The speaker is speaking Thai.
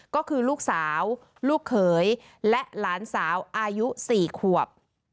ก็คือลูกสาวลูกเขยและหลานสาวอายุ๔ขวบ